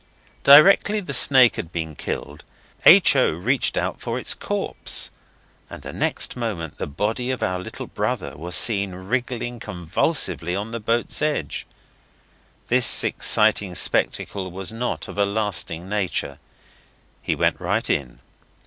Directly the snake had been killed H. O. reached out for its corpse, and the next moment the body of our little brother was seen wriggling conclusively on the boat's edge. This exciting spectacle was not of a lasting nature. He went right in.